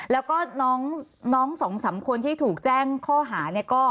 แล้วก็น้องสองสามคนที่ถูกแจ้งข้อหาเนี่ยก็